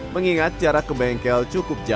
mengingat jarak ke bengkel cukup jauh